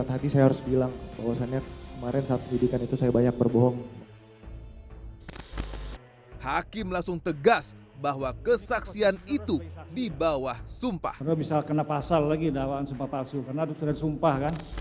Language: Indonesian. hakim langsung tegas bahwa kesaksian itu di bawah sumpah